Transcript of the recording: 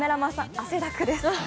汗だくです。